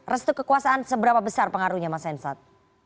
restu kekuasaan seberapa besar pengaruhnya mas hensat